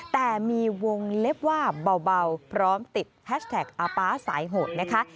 แต่มีวงเล็บว่าเบาพร้อมติดแฮชแท็กอาป๊าสายโหดนะคะ